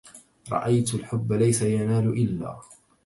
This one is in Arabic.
رأيت الحب ليس ينال إلا